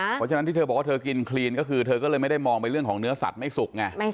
เพราะฉะนั้นที่เธอบอกว่าเธอกินคลีนก็คือเธอก็เลยไม่ได้มองไปเรื่องของเนื้อสัตว์ไม่สุกไง